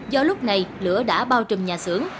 do lúc này lửa đã bao trùm nhà xưởng